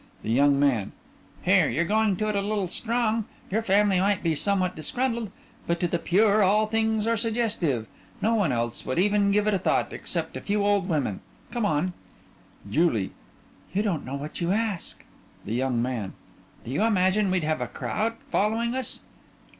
THE YOUNG MAN: Here, you're going it a little strong. Your family might be somewhat disgruntled but to the pure all things are suggestive. No one else would even give it a thought, except a few old women. Come on. JULIE: You don't know what you ask. THE YOUNG MAN: Do you imagine we'd have a crowd following us?